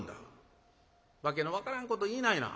「訳の分からんこと言いないな。